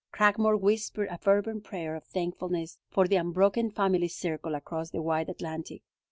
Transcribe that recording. Cragmore whispered a fervent prayer of thankfulness for the unbroken family circle across the wide Atlantic.